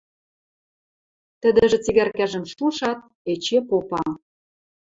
Тӹдӹжӹ цигӓркӓжӹм шушат, эче попа.